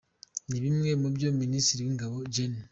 Ni bimwe mu byo Minisitiri w’Ingabo, Gen.